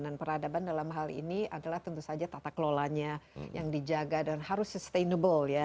dan peradaban dalam hal ini adalah tentu saja tata kelolanya yang dijaga dan harus sustainable ya